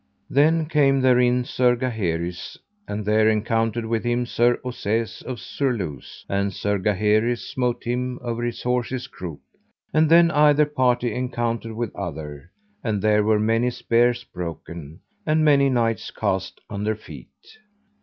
Then came therein Sir Gaheris, and there encountered with him Sir Ossaise of Surluse, and Sir Gaheris smote him over his horse's croup. And then either party encountered with other, and there were many spears broken, and many knights cast under feet.